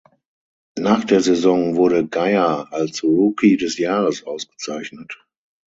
Nach der Saison wurde Geyer als Rookie des Jahres ausgezeichnet.